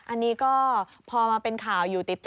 อันนี้ก็พอมาเป็นข่าวอยู่ติด